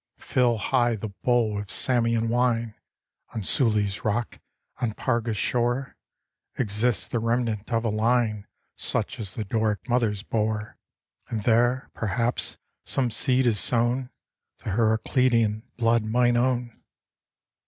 Fill high the bowl with Samian wine! On SuH's rock, and Parga's shore, Exists the remnant of a line Such as the Doric mothers bore; And there, perhaps, some seed is sown, The Heracleidan blood might own.